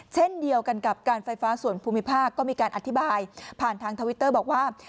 เช่นเดียวกันกับการไฟฟ้าส่วนภูมิภาคก็มีการอธิบายผ่านทางทวิตเตอร์บอกว่า